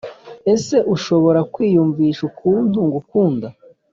Ese ushobora kwiyumvisha ukuntu ngukunda